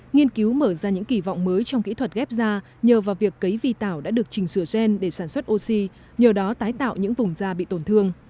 nghiên cứu mở ra những kỳ vọng mới trong kỹ thuật ghép da nhờ vào việc cấy vi tảo đã được chỉnh sửa gen để sản xuất oxy nhờ đó tái tạo những vùng da bị tổn thương